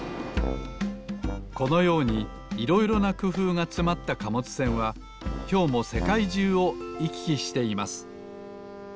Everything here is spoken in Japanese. このようにいろいろなくふうがつまった貨物船はきょうもせかいじゅうをいききしています